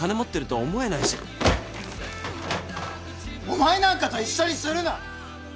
お前なんかと一緒にするな！